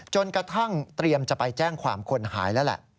จนกระทั่งเตรียมจะไปแจ้งความคนหายแล้วแหละ